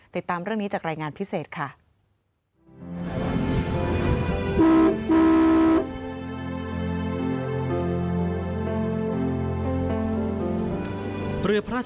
ติดตามเรื่องนี้จากรายงานพิเศษค่ะ